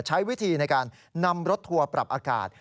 ใช้วิธีในการนำรถทัวร์ปรับอากาศ